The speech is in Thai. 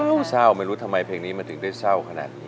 เศร้าไม่รู้ทำไมเพลงนี้มันถึงได้เศร้าขนาดนี้